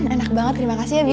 enak banget terima kasih ya bi